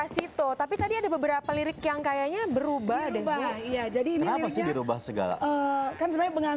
selain kerjaan di rumahnya ada yang